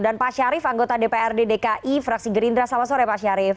dan pak syarif anggota dprd dki fraksi gerindra selamat sore pak syarif